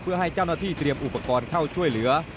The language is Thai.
เพื่อให้เจ้าหน้าที่เตรียมอุปกรณ์เข้าช่วยเหลือ